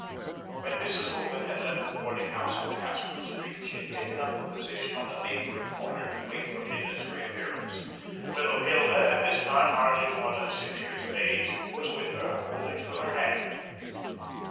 When Mrs. Hooven had left the boarding house on Castro Street, she had taken up a position on a neighbouring corner, to wait for Minna's reappearance. Little Hilda, at this time hardly more than six years of age, was with her, holding to her hand.